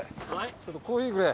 ちょっとコーヒーくれ。